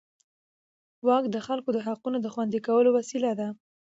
واک د خلکو د حقونو د خوندي کولو وسیله ده.